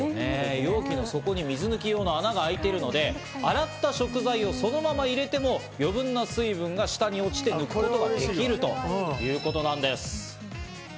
容器の底に水抜き用の穴が開いているので、洗った食材をそのまま入れても、余分な水分が下に落ちて抜くことができるということなんです。